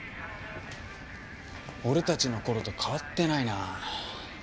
俺たちの頃と変わってないな。